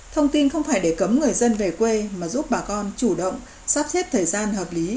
thông tin không phải để cấm người dân về quê mà giúp bà con chủ động sắp xếp thời gian hợp lý